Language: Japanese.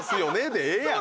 でええやん。